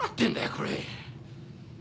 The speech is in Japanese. これ。